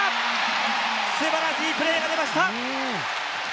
素晴らしいプレーが出ました。